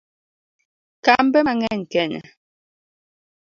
Kambe mang'eny Kenya